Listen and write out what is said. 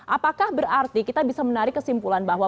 apakah berarti kita bisa menarik kesimpulan bahwa